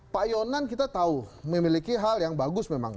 pak yonan kita tahu memiliki hal yang bagus memang